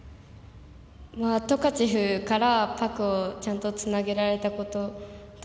トカチェフからパクをちゃんとつなげられたこと。